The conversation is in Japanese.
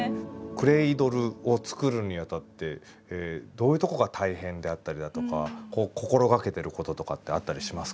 クレードルを作るにあたってどういうとこが大変であったりだとかこう心がけてることとかってあったりしますか？